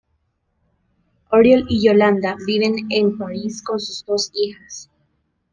Oriol y Yolanda viven en París con sus dos hijas.